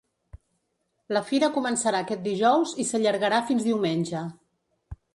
La fira començarà aquest dijous i s’allargarà fins diumenge.